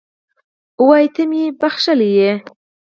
وایي ته مې یې بښلی